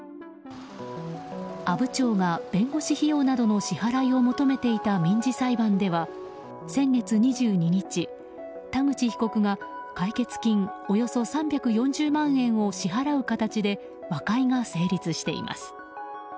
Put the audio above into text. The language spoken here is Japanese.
阿武町が弁護士費用などの支払いを求めていた民事裁判では先月２２日、田口被告が解決金およそ３４０万円を支払う形で和解が成立しています。